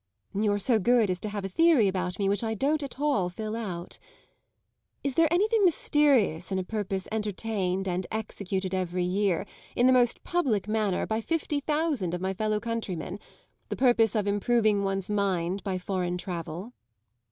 "You're so good as to have a theory about me which I don't at all fill out. Is there anything mysterious in a purpose entertained and executed every year, in the most public manner, by fifty thousand of my fellow countrymen the purpose of improving one's mind by foreign travel?"